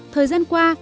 thời gian qua